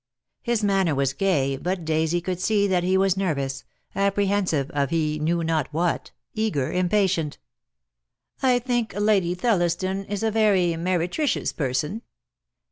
His manner was gay, but Daisy could see that he was nervous, apprehensive of he knew not what, eager, impatient. "I think Lady Thelliston is a very meretricious person."